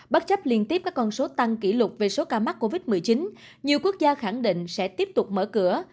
bất chấp liên tiếp các con số tăng kỷ lục về số ca mắc covid một mươi chín nhiều quốc gia khẳng định sẽ tiếp tục mở cửa